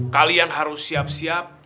kalian harus siap siap